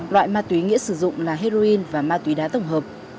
loại ma túy nghĩa sử dụng là heroin và ma túy đá tổng hợp